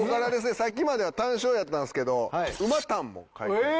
さっきまでは単勝やったんですけど馬単も買えます。